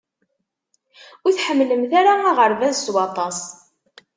Ur tḥemmlemt ara aɣerbaz s waṭas.